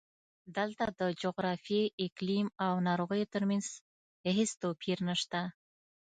دلته د جغرافیې، اقلیم او ناروغیو ترمنځ هېڅ توپیر نشته.